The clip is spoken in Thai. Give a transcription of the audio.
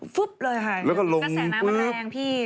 ฟุบเลยค่ะกระแสน้ำแม่งพี่